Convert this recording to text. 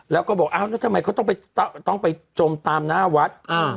แล้วก็ไม่ว่าต้องไปจมนาวัฒน์